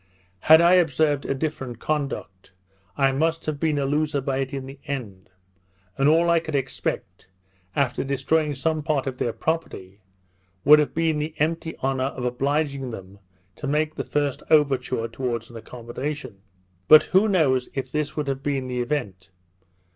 Had I observed a different conduct, I must have been a loser by it in the end; and all I could expect, after destroying some part of their property, would have been the empty honour of obliging them to make the first overture towards an accommodation. But who knows if this would have been the event?